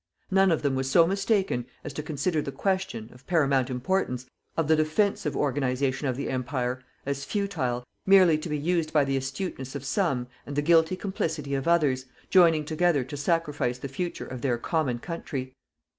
None of them was so mistaken as to consider the question, of paramount importance, of the DEFENSIVE organization of the Empire, as futile, merely to be used by the astuteness of some and the guilty complicity of others, joining together to sacrifice the future of their common country.